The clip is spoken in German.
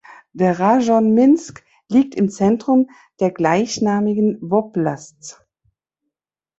Der Rajon Minsk liegt im Zentrum der gleichnamigen Woblasz.